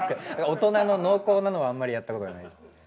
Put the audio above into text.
大人の濃厚なのはあんまりやったことがないです。